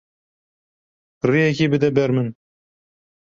Rêyekê bide ber min.